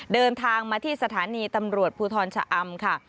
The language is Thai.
เดินทางมาที่สถานีตำรวจภูทรชะอำค่ะ